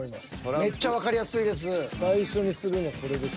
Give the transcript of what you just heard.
めっちゃわかりやすいです。